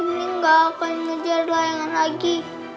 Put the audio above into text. bening gak akan ngejar layangan lagi